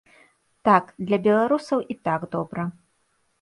Так, для беларусаў і так добра.